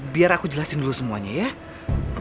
biar aku jelasin dulu semuanya ya